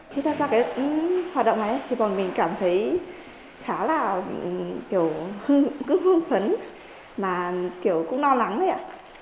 khi ta ra cái hoạt động này thì mình cảm thấy khá là cứ hương phấn mà kiểu cũng lo lắng đấy ạ